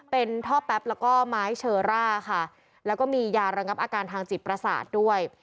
เป็นท่อแป๊บแล้วก็ไม้เชอร่าค่ะแล้วก็มียาระงับอาการทางจิตประสาทด้วย